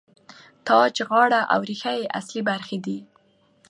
تاج، غاړه او ریښه یې اصلي برخې دي.